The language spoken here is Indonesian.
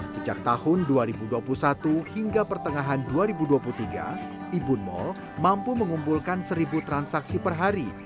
sejak tahun dua ribu dua puluh satu hingga pertengahan dua ribu dua puluh tiga ibun mall mampu mengumpulkan seribu transaksi per hari